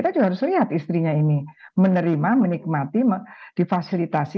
jadi harus lihat istrinya ini menerima menikmati difasilitasi